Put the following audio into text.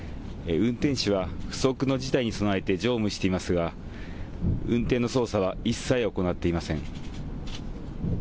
運転手は不測の事態に備えて乗務していますが運転の操作は一切行っていません。